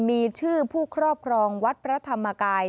มีชื่อผู้ครอบครองวัดพระธรรมกาย